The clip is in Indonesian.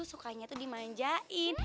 sukanya tuh dimanjain